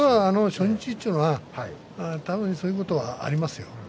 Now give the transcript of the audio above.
初日というのは多分そういうことがありますよ。